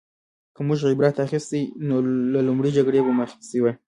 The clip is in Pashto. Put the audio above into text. که موږ عبرت اخیستلی نو له لومړۍ جګړې به مو اخیستی وای